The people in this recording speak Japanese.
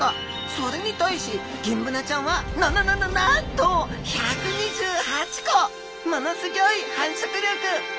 それに対しギンブナちゃんはなななななんと１２８個！ものすギョい繁殖力！